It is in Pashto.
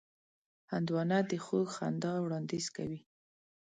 هندوانه د خوږ خندا وړاندیز کوي.